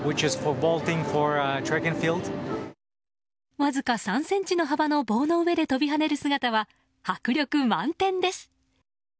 わずか３ｃｍの幅の棒の上で跳びはねる姿は迫力満点です！